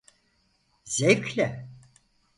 Zevkle.